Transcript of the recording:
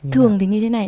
thường thì như thế này